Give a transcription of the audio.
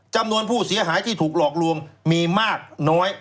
จำนวนผู้เสียหายที่ถูกหลอกลวงมีมากน้อย